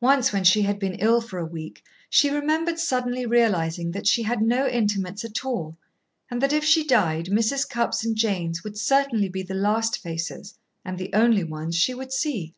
Once when she had been ill for a week she remembered suddenly realising that she had no intimates at all, and that if she died Mrs. Cupp's and Jane's would certainly be the last faces and the only ones she would see.